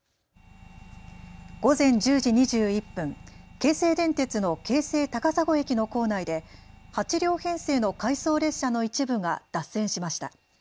午前１０時２１分、京成電鉄の京成高砂駅の構内で８両編成の回送列車の一部が脱線しました。